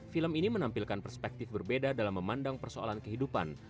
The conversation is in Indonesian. film ini menampilkan perspektif berbeda dalam memandang persoalan kehidupan